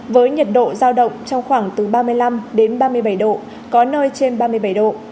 với nhiệt độ giao động trong khoảng từ ba mươi năm đến ba mươi bảy độ có nơi trên ba mươi bảy độ